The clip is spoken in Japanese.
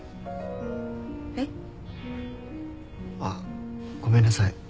えっ？あっごめんなさい。